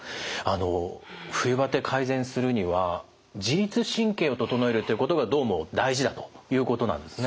冬バテ改善するには自律神経を整えるということがどうも大事だということなんですね。